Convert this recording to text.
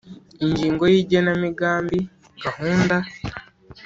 Ingingo ya igenamigambi gahunda